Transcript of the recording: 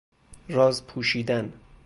راز پوشیدن